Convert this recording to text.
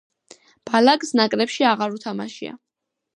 ბალაკს ნაკრებში აღარ უთამაშია.